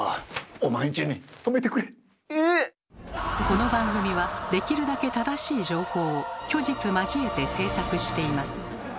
この番組はできるだけ正しい情報を虚実交えて制作しています。